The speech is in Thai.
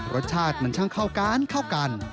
รสชาติมันช่างเข้ากันเข้ากัน